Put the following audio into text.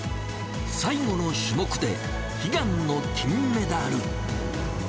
最後の種目で悲願の金メダル。